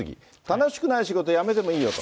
楽しくない仕事、辞めてもいいよと。